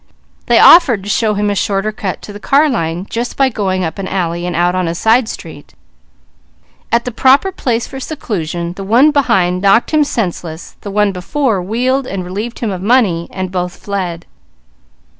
They offered to show him a shorter cut to the car line just by going up an alley and out on a side street. At the proper place for seclusion, the one behind knocked him senseless, and the one before wheeled and relieved him of money, and both fled.